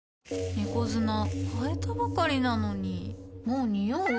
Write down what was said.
猫砂替えたばかりなのにもうニオう？